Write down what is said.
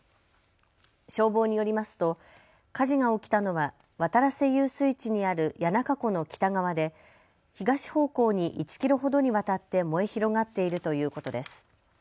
消防によりますと火事が起きたのは渡良瀬遊水地にある谷中湖の北側で東方向に１キロほどにわたって燃え広がっているということです。